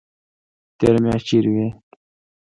تېره میاشت چیرته وئ؟